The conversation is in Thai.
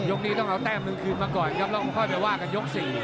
นี้ต้องเอาแต้มหนึ่งคืนมาก่อนครับแล้วค่อยไปว่ากันยก๔